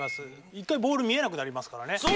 一回ボール見えなくなりますからね。